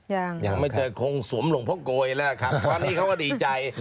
ยังยังไม่เจอคงสวมหลวงพ่อโกยแล้วครับตอนนี้เขาก็ดีใจ